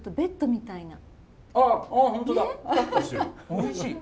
おいしい。